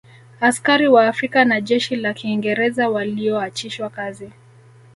Askari Wa Afrika na jeshi la Kiingereza walioachishwa kazi